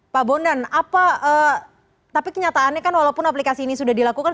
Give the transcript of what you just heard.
pak bondan tapi kenyataannya kan walaupun aplikasi ini sudah dilakukan